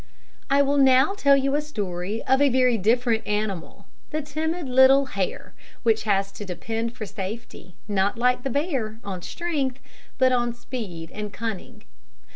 I will now tell you a story of a very different animal the timid little hare which has to depend for safety, not, like the bear, on strength, but on speed and cunning.